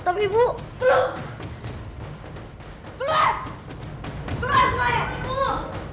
tapi tapi bu